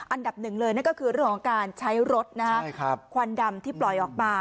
อันดับหนึ่งเลยนั่นก็คือเรื่องของการใช้รถควันดำที่ปล่อยออกมา